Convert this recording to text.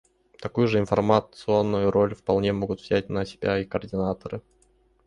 Такую же информационную роль вполне могут взять на себя и координаторы.